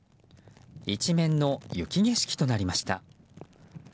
一面の雪景色となりました。